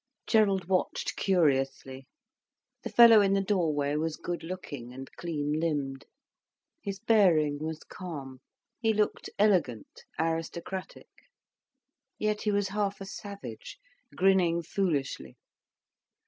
Gerald watched curiously. The fellow in the doorway was goodlooking and clean limbed, his bearing was calm, he looked elegant, aristocratic. Yet he was half a savage, grinning foolishly.